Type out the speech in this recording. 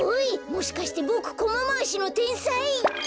もしかしてボクコマまわしのてんさい？